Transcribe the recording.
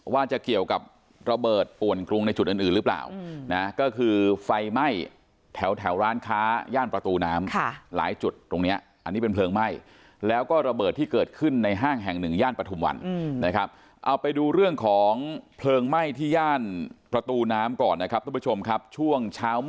ว่าจะเกี่ยวรับเบิดปวนกรุงในจุดอื่นอื่นหรือเปล่านะ